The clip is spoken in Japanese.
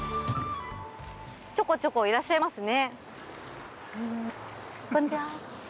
ちょこちょこいらっしゃいますね。